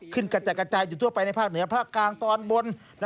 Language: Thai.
กระจัดกระจายอยู่ทั่วไปในภาคเหนือภาคกลางตอนบน